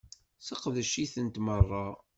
Sseqdec-itent merra!